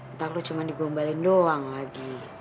entah aku cuma digombalin doang lagi